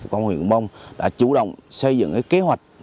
công an huyện cờ đông bông đã chủ động xây dựng kế hoạch